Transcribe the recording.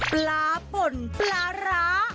ปลาป่นปลาร้า